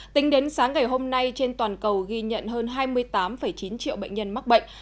tính đến sáng ngày hôm nay trên toàn cầu ghi nhận hơn hai mươi tám chín triệu bệnh nhân mắc bệnh